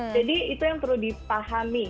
jadi itu yang perlu dipahami